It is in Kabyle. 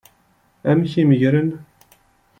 Amek i meggren?